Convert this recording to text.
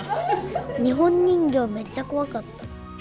日本人形めっちゃ怖かった。